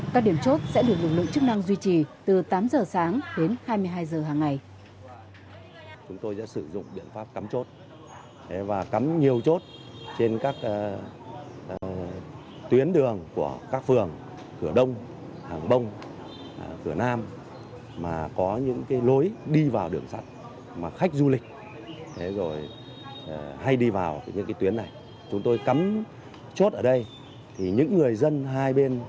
các điểm chốt sẽ được lực lượng chức năng duy trì từ tám giờ sáng đến hai mươi hai giờ hàng ngày